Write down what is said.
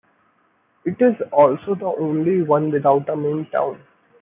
It is also the only one without a main town.